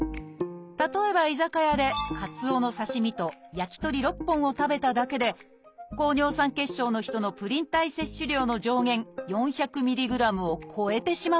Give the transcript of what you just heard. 例えば居酒屋でかつおの刺身と焼き鳥６本を食べただけで高尿酸血症の人のプリン体摂取量の上限４００ｍｇを超えてしまうんです。